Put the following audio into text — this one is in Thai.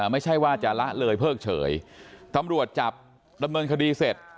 ไม่ใช่ว่าจะละเลยเพิ่งเฉยตำรวจจับดำเนินคดีเสร็จ